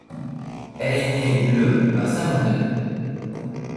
Elle est née le à Saint-Mandé.